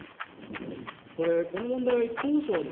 この問題、当初は。